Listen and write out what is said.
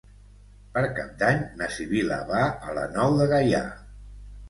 Per Cap d'Any na Sibil·la va a la Nou de Gaià.